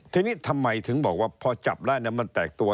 ทีนี้ทำไมถึงบอกว่าพอจับแล้วมันแตกตัว